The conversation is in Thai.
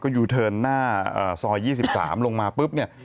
ก็อยู่เทิร์นหน้าเอ่อซอยยี่สิบสามลงมาปุ๊บเนี้ย